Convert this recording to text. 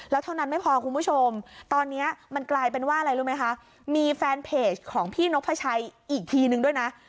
แล้วเท่านั้นไม่พอคุณผู้ชมตอนนี้มันกลายเป็นว่าอะไรรู้ไหมคะมีแฟนเพจของพี่นกพระชัยอีกทีนึงด้วยนะ